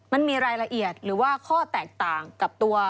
มันมีรายละเอียดหรือว่าข้อแตกต่างกับตัว